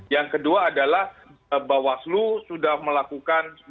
yang kedua adalah bahwa slu sudah melakukan